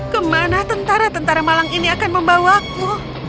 kemana tentara tentara malang ini akan membawaku